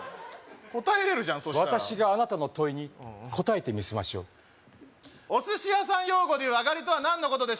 答えれるじゃんそしたら私があなたの問いに答えてみせましょうお寿司屋さん用語でいうあがりとは何のことでしょう？